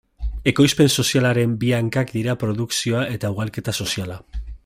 Ekoizpen sozialaren bi hankak dira produkzioa eta ugalketa soziala.